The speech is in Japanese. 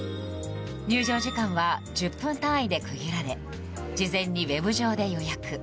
入場時間は１０分単位で区切られ事前にウェブ上で予約。